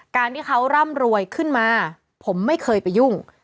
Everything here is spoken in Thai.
การที่เขาร่ำรวยขึ้นมาผมไม่เคยไปยุ่ง